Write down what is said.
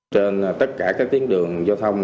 trên tất cả các tiến đường giao thông